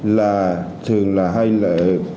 là thường là hay là